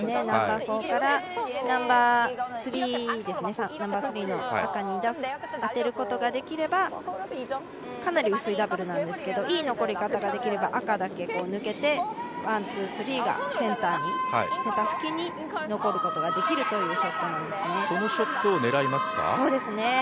ナンバーフォーからナンバースリーの赤に当てることができれば、かなり薄いダブルなんですけれども、いい残り方ができれば赤だけ抜けて、ワン、ツー、スリーがセンター付近に残ることができるというショットなんですね。